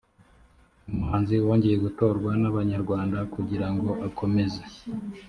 umuhanzi wongeye gutorwa n’abanyarwanda kugira ngo akomeze